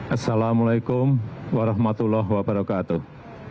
assalamu'alaikum warahmatullahi wabarakatuh